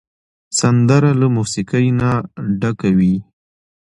سندره له موسیقۍ نه ډکه وي